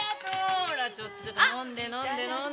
ほらちょっと飲んで飲んで飲んで。